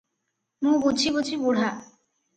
ମୁଁ ବୁଝି ବୁଝି ବୁଢା ।